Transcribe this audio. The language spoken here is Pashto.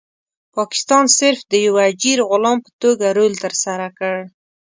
پاکستان صرف د یو اجیر غلام په توګه رول ترسره کړ.